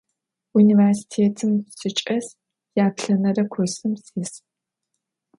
Vunivêrsitêtım sıçç'es, yaplh'enere kursım sis.